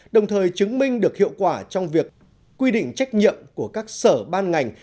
đồng thời chứng minh được hiệu quả trong việc quy định trách nhiệm của các sở ban ngành